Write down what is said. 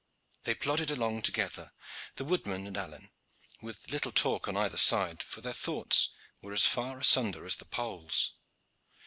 They plodded along together, the woodman and Alleyne, with little talk on either side, for their thoughts were as far asunder as the poles.